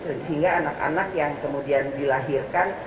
sehingga anak anak yang kemudian dilahirkan